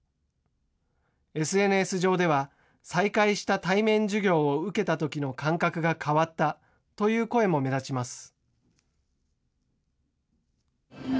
ＳＮＳ上では、再開した対面授業を受けたときの感覚が変わったという声も目立ちます。